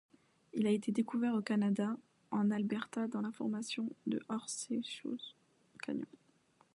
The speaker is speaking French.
Il a été découvert au Canada, en Alberta dans la formation de Horseshoe Canyon.